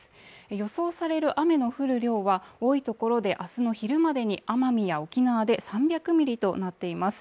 予想される雨の降る量は多い所であすの昼までに奄美や沖縄で３００ミリとなっています